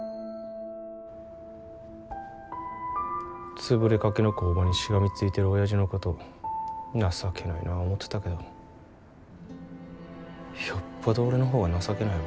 潰れかけの工場にしがみついてるおやじのこと情けないなぁ思てたけどよっぽど俺の方が情けないわ。